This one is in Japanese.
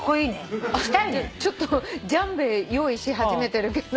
ちょっとジャンベ用意し始めてるけど。